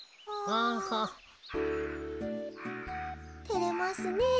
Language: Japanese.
てれますねえ。